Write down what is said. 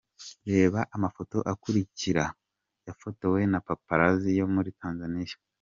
Reba amafoto akurikira yafotowe na Paparazzi yo muri Tanzania :.